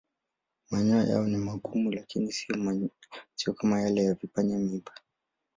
Manyoya yao ni magumu lakini siyo kama yale ya vipanya-miiba.